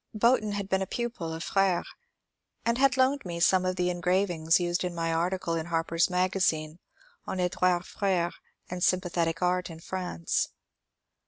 Boughton had been a pupil of Fr^re, and had loaned me some of the engravings used in my article in *^ Harper's Mag azine " on ^^ Edouard Fr^re and Sympathetic Art in France."